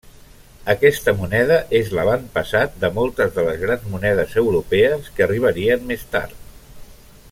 Aquesta moneda és l'avantpassat de moltes de les grans monedes europees que arribarien més tard.